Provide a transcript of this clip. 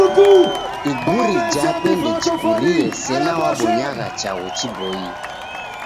Iguri jape ndejikurie sena wabonyagha chaghu chiboie.